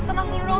tenang dulu dong